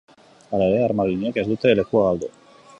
Hala ere, armaginek ez dute lekua galdu.